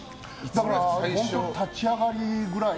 本当、立ち上がりぐらい。